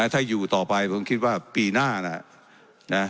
ถ้าอยู่ต่อไปผมคิดว่าปีหน้าแล้ว